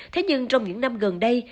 thế nhưng trong những năm gần đây